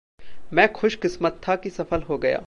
मैं खुशकिसमत था कि सफ़ल हो गया।